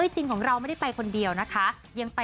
จริงของเราไม่ได้ไปคนเดียวนะคะ